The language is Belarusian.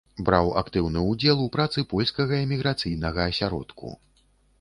Браў актыўны ўдзел у працы польскага эміграцыйнага асяродку.